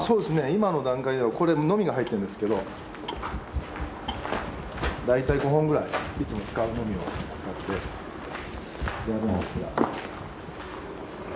今の段階ではこれノミが入ってんですけど大体５本ぐらいいつも使うノミを使ってやるのですが。